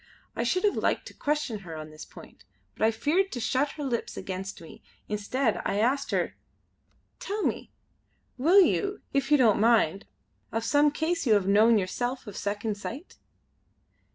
I should have liked to question her on this point; but I feared to shut her lips against me. Instead I asked her: "Tell me, will you, if you don't mind, of some case you have known yourself of Second Sight?"